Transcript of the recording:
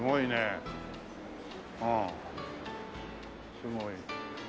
すごい。